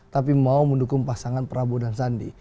tapi mau mendukung pasangan prabowo dan sandi